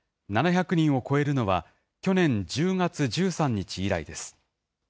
７００人を超えるのは、去年１０月１３日以来です。